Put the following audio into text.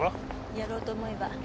やろうと思えば。